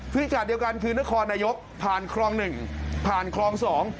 ขณะเดียวกันคือนครนายกผ่านคลองหนึ่งผ่านคลองสอง